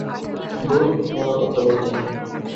দূর, মরার কথা বলতে নেই।